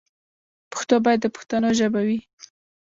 پښتو باید د پښتنو ژبه وي.